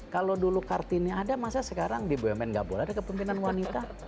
kalau dulu kartini ada masa sekarang di bumn nggak boleh ada kepemimpinan wanita